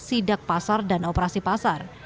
sidak pasar dan operasi pasar